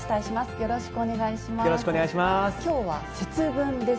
よろしくお願いします。